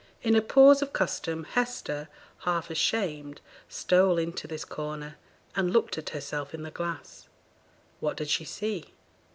In a pause of custom, Hester, half ashamed, stole into this corner, and looked at herself in the glass. What did she see?